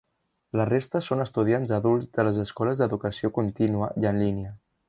La resta son estudiants adults de les escoles d'educació contínua i en línia.